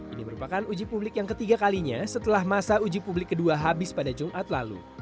ini merupakan uji publik yang ketiga kalinya setelah masa uji publik kedua habis pada jumat lalu